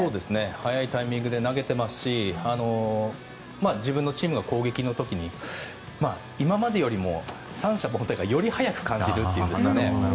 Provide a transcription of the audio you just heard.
早いタイミングで投げていますし自分のチームが攻撃の時に今までよりも三者凡退がより早く感じるというんですかね。